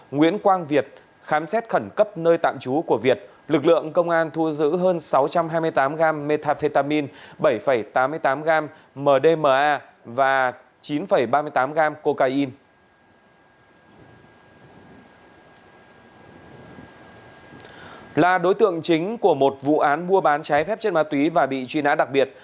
nguyễn quang việt khám xét khẩn cấp nơi tạm trú của việt